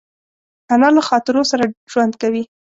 انا له خاطرو سره ژوند کوي